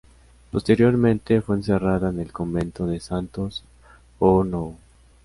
Posteriormente fue encerrada en el Convento de Santos-o-Novo.